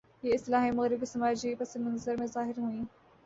یہ اصطلاحیں مغرب کے سماجی پس منظر میں ظاہر ہوئیں۔